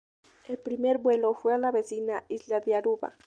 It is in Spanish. El primer vuelo fue a la vecina isla de Aruba.